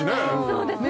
そうですね